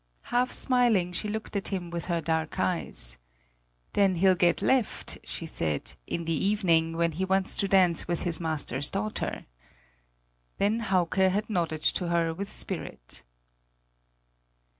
Half smiling she looked at him with her dark eyes. "Then he'll get left," she said, "in the evening, when he wants to dance with his master's daughter." Then Hauke had nodded to her with spirit.